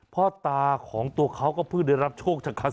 พ่อตาของตัวเขาก็เผื่อเงินรับโชคจาก